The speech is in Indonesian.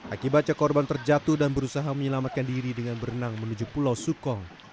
akibatnya korban terjatuh dan berusaha menyelamatkan diri dengan berenang menuju pulau sukong